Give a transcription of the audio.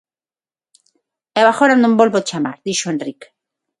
_Eu agora non volvo chamar _dixo Henrique_.